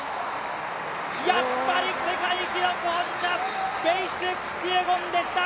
やっぱり世界記録保持者キピエゴンでした！